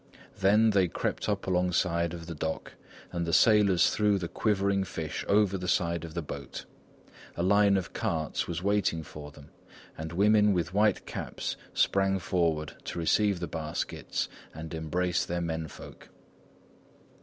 Then they crept up alongside of the dock and the sailors threw the quivering fish over the side of the boat; a line of carts was waiting for them, and women with white caps sprang forward to receive the baskets and embrace their men folk.